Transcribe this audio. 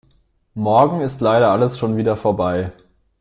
Morgen ist leider alles schon wieder vorbei.